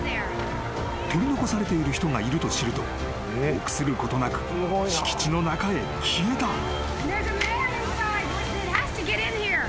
［取り残されている人がいると知ると臆することなく敷地の中へ消えた］